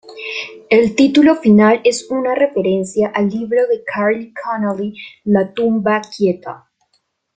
El título final es una referencia al libro de Cyril Connolly "La tumba inquieta".